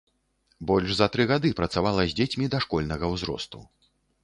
Больш за тры гады працавала з дзецьмі дашкольнага ўзросту.